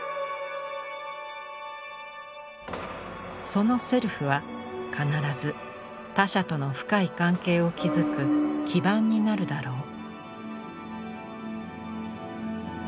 その「セルフ」は必ず他者との深い関係を築く基盤になるだろう。